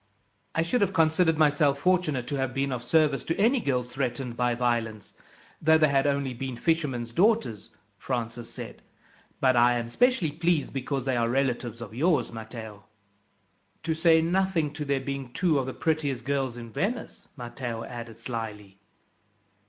"I should have considered myself fortunate to have been of service to any girls threatened by violence, though they had only been fishermen's daughters," Francis said; "but I am specially pleased because they are relatives of yours, Matteo." "To say nothing to their being two of the prettiest girls in Venice," Matteo added slyly.